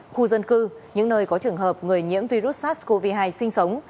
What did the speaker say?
khu dân cư những nơi có trường hợp người nhiễm virus sars cov hai sinh sống